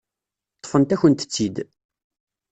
Ṭṭfent-akent-tt-id.